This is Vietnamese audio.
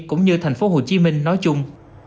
cũng như thành phố hồ chí minh nói chung